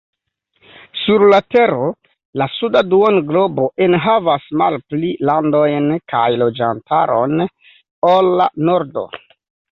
Sur la tero la suda duonglobo enhavas malpli landojn kaj loĝantaron ol la nordo.